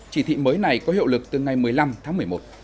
chỉ thị mới này có hiệu lực từ ngày một mươi năm tháng một mươi một